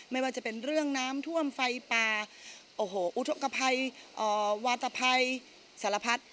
ไม่ว่าจะเป็นเรื่องน้ำท่วมไฟป่าโอ้โหอุทธกภัยวาตภัยสารพัด